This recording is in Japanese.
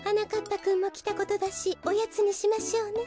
ぱくんもきたことだしおやつにしましょうね。